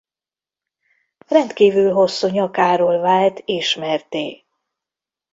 Rendkívül hosszú nyakáról vált ismertté.